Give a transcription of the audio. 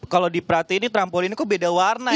kalau di prati ini trampolin kok beda warna ya